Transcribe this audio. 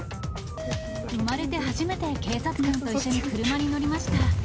生まれて初めて警察官と一緒に車に乗りました。